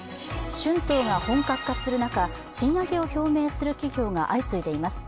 春闘が本格化する中賃上げを表明する企業が相次いでいます。